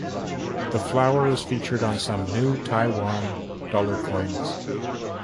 The flower is featured on some New Taiwan dollar coins.